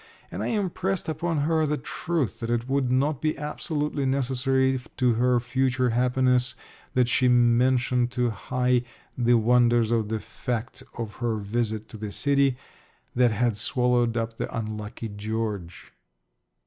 And I impressed upon her the truth that it would not be absolutely necessary to her future happiness that she mention to Hi the wonders or the fact of her visit to the city that had swallowed up the unlucky George.